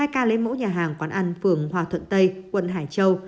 hai ca lấy mẫu nhà hàng quán ăn phường hòa thuận tây quận hải châu